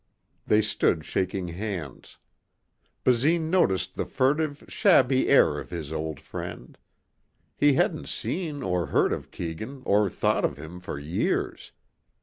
They stood shaking hands. Basine noticed the furtive, shabby air of his old friend. He hadn't seen or heard of Keegan or thought of him for years.